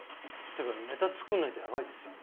っていうかネタ作んないとやばいですよ。